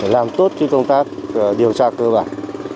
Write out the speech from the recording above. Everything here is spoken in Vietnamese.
làm tốt chứ công tác điều tra cơ bản